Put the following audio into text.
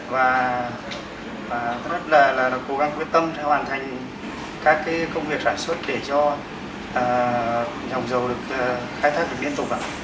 và rất là là cố gắng quyết tâm hoàn thành các cái công việc sản xuất để cho dòng dầu được khai thác được biên tục